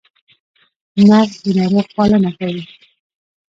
نرس د ناروغ پالنه کوي